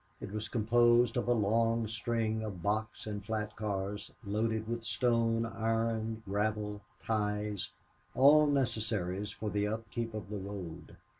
It was composed of a long string of box and flat cars loaded with stone, iron, gravel, ties all necessaries for the up keep of the road.